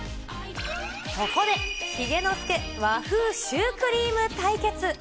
そこで髭乃助和風シュークリーム対決。